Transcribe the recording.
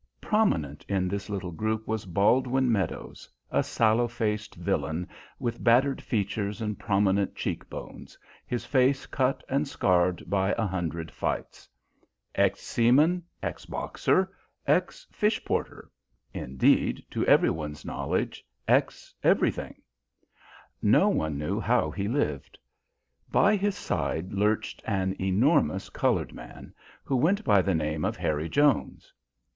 Prominent in this little group was Baldwin Meadows, a sallow faced villain with battered features and prominent cheek bones, his face cut and scarred by a hundred fights. Ex seaman, ex boxer, ex fish porter indeed, to every one's knowledge, ex everything. No one knew how he lived. By his side lurched an enormous coloured man who went by the name of Harry Jones.